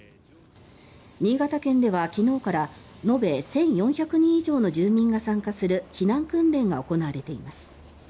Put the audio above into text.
新潟県では昨日から延べ１４００人以上の住民が参加する避難訓練が行われています。